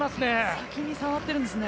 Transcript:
先に触ってるんですね。